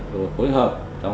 và phối hợp